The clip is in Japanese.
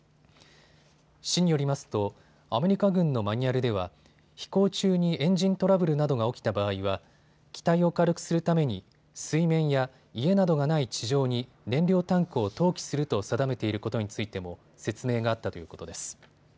市によりますとアメリカ軍のマニュアルでは飛行中にエンジントラブルなどが起きた場合は機体を軽くするために水面や家などがない地上に燃料タンクを投棄すると定めていることについても説明があったということです。